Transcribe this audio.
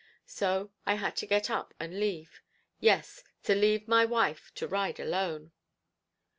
So I had to get up and leave; yes, to leave my wife to ride alone.